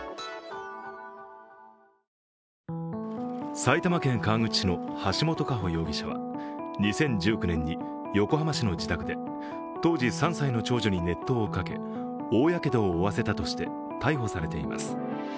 埼玉県川口市の橋本佳歩容疑者は２０１９年に横浜市の自宅で当時３歳の長女に熱湯をかけ大やけどを負わせたとして逮捕されています。